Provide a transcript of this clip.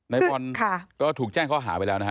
ในบอลก็ถูกแจ้งข้อหาไปแล้วนะฮะ